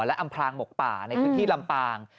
และอำพลางหมกป่าในพื้นที่ลำปาง